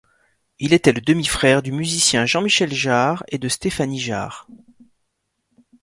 Il était le demi-frère du musicien Jean-Michel Jarre et de Stéphanie Jarre.